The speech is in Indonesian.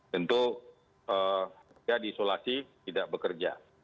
tentu dia di isolasi tidak bekerja